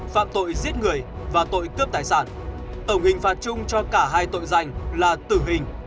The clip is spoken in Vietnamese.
phạm tội giết người và tội cướp tài sản tổng hình phạt chung cho cả hai tội danh là tử hình